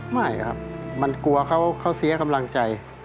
ไม่ครับมันกลัวเขาเสียกำลังใจ